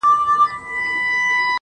چي جانان مري دى روغ رمټ دی لېونى نـه دی.